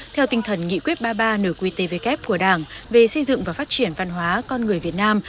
theo tinh thần nghị quyết ba mươi ba nửa quy tế vệ kép của đảng về xây dựng và phát triển văn hóa con người việt nam